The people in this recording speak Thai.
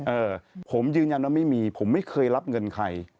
เออผมยืนยันว่าไม่มีผมไม่เคยรับเงินใคร